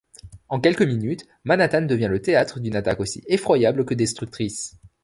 En quelques minutes, Manhattan devient le théâtre d'une attaque aussi effroyable que destructrice.